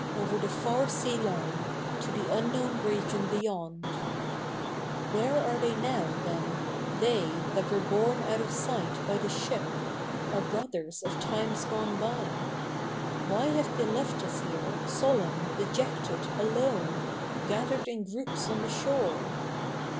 Over the far sea line To the unknown region beyond. CH. iv] THE NEW REPUBLIC 53 ' Where are they uow, then — they That were borne out of sight by the ship — Otir brothers, of times gone by ? IVhy have they left iis here Solemn, dejected, alone, Gathered in groups on the shore